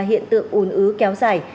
hiện tượng ồn ứ kéo dài